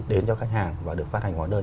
đến cho khách hàng và được phát hành hóa đơn